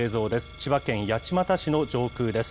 千葉県八街市の上空です。